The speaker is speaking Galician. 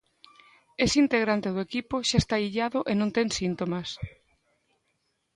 Ese integrante do equipo xa está illado e non ten síntomas.